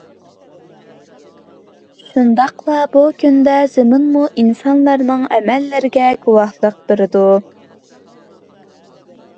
شۇنداقلا بۇ كۈندە زېمىنمۇ ئىنساننىڭ ئەمەللىرىگە گۇۋاھلىق بېرىدۇ.